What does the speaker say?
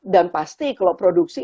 dan pasti kalau produksi